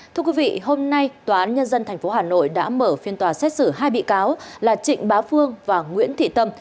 thưa quý vị hôm nay tòa án nhân dân tp hà nội đã mở phiên tòa xét xử hai bị cáo là trịnh bá phương và nguyễn thị tâm